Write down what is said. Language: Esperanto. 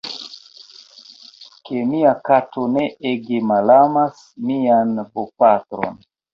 ke mia kato tre ege malamas mian bopatron.